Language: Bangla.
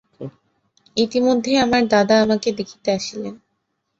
ইতিমধ্যে আমার দাদা আমাকে দেখিতে আসিলেন।